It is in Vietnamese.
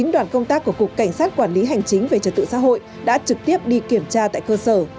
đoàn công tác của cục cảnh sát quản lý hành chính về trật tự xã hội đã trực tiếp đi kiểm tra tại cơ sở